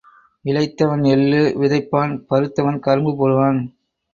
இளைத்தவன் எள்ளு விதைப்பான் பருத்தவன் கரும்பு போடுவான்.